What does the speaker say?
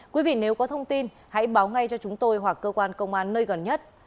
quý vị nếu có thông tin hãy báo ngay cho chúng tôi hoặc cơ quan công an nơi gần nhất